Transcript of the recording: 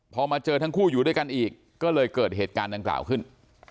พอมาเจอทั้งคู่อยู่ด้วยกันอีกก็เลยเกิดเหตุการณ์ดังกล่าวขึ้น